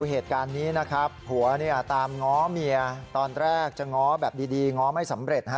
เหตุการณ์นี้นะครับผัวเนี่ยตามง้อเมียตอนแรกจะง้อแบบดีง้อไม่สำเร็จฮะ